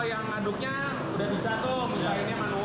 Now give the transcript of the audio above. tadi kan kalau yang ngaduknya udah bisa tuh